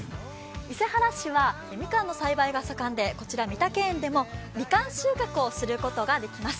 伊勢原市はみかんの栽培が盛んでこちら三岳園でもみかんの収穫をすることができます。